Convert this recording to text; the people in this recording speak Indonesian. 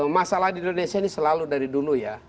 masalah di indonesia ini selalu dari dulu ya